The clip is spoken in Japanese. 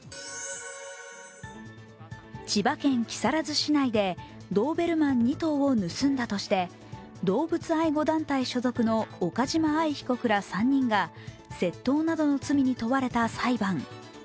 千葉県木更津市内でドーベルマン２頭を盗んだとして動物愛護団体所属の岡島愛被告ら３人が窃盗などの罪に問われた裁判。